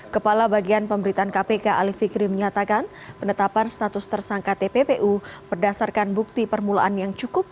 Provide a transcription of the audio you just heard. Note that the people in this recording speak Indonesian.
kepala bagian pemberitaan kpk ali fikri menyatakan penetapan status tersangka tppu berdasarkan bukti permulaan yang cukup